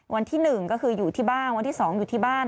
วันที่๑ก็คืออยู่ที่บ้านวันที่๒อยู่ที่บ้าน